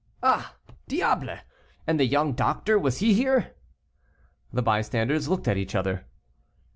"Ah, diable! and the young doctor, was he here?" The bystanders looked at each other.